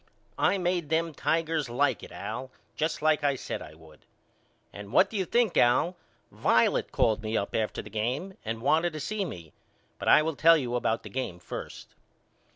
I made them Tigers like it Al just like I said I would. And what do you think, Al, Violet called me up after the game and wanted to see me but I will tell you about the game first.